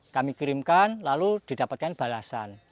kami kirimkan lalu didapatkan balasan